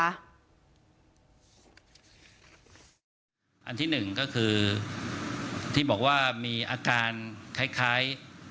อันที่หนึ่งก็คือที่บอกว่ามีอาการคล้าย